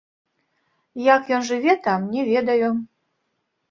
Як ён жыве там, не ведаю.